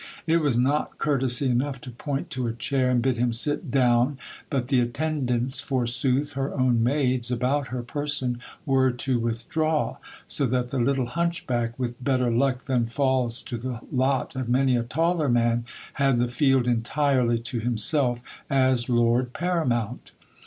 It was not courtesy enough to point to a chair, and bid him sit down : but the attendants, forsooth, her own maids about her person were to withdraw, so that the little hunchback, with better luck than falls to the lot of many a taller man, had the field entirely to himself, as lord paramount.